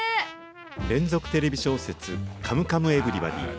連続テレビ小説、カムカムエヴリバディ。